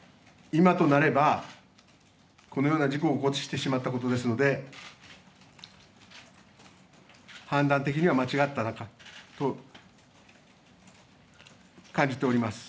今となればこのような事故を起こしてしまったことですので判断的には間違ったのかなと感じております。